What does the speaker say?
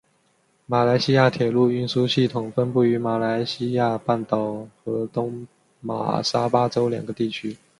马来西亚铁路运输系统分布于马来西亚半岛和东马沙巴州两个地区。